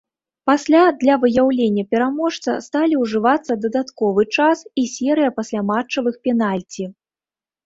Пасля для выяўлення пераможца сталі ўжывацца дадатковы час і серыя пасляматчавых пенальці.